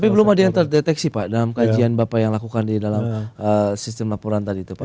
tapi belum ada yang terdeteksi pak dalam kajian bapak yang lakukan di dalam sistem laporan tadi itu pak